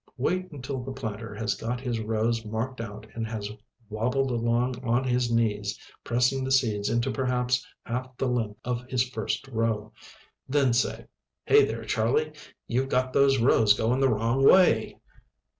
Wait until the planter has got his rows marked out and has wobbled along on his knees pressing the seeds into perhaps half the length of his first row. Then say: "Hey there, Charlie! You've got those rows going the wrong way."